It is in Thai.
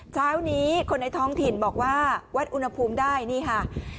เช้านี้คนในท้องถิ่นบอกว่าวัดอุณหภูมิได้นี่ค่ะ